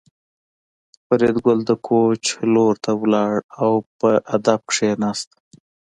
فریدګل د کوچ لور ته لاړ او په ادب کېناست